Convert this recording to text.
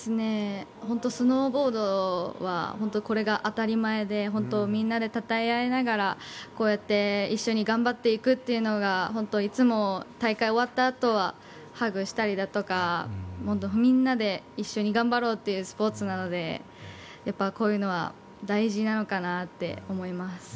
スノーボードはこれが当たり前でみんなでたたえ合いながら一緒に頑張っていくというのがいつも大会が終わったあとはハグしたりだとかみんなで一緒に頑張ろうっていうスポーツなのでこういうのは大事なのかなと思います。